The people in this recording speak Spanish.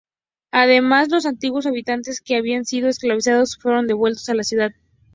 Además, los antiguos habitantes que habían sido esclavizados fueron devueltos a la ciudad.